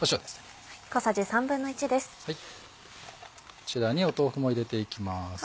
こちらに豆腐も入れていきます。